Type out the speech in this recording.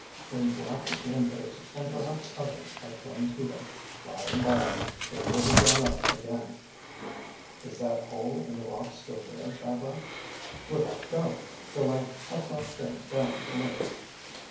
When Black Windows and perhaps others are thrown to them, by and by, they will be drawn up again." "Is that hole in the rock still there, Shadrach?" "Without doubt, though I have not been down to look."